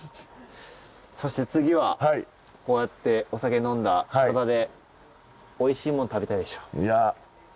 そして次はこうやってお酒飲んだ体でおいしいもの食べたいでしょ。